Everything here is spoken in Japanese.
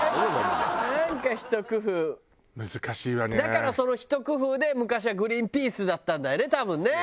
だからそのひと工夫で昔はグリーンピースだったんだよね多分ね。